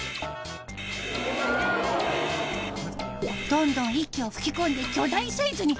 どんどん息を吹き込んで巨大サイズに。